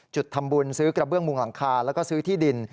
จุดทำบุญซื้อกระเบื้องมุงหลังคาแล้วก็ซื้อที่ดิน